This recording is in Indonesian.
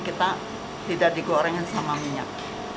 kita tidak digorengin sama minyak